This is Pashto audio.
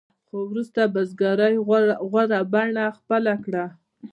خو وروسته بزګرۍ غوره بڼه خپله کړه.